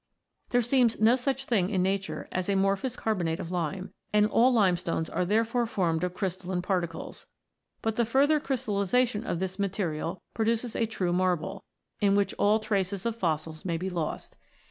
There seems no such thing in nature as amorphous carbonate of lime, and all limestones are therefore formed of crystalline particles ; but the further crystallisation of this material produces a true marble, in which all traces of fossils may be lost.